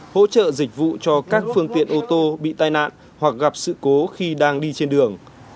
hỗ trợ dịch vụ cho các phương tiện ô tô bị tai nạn hoặc gặp sự cố khi đang đi trên đường